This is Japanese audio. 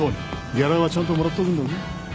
ギャラはちゃんともらっとくんだぞ。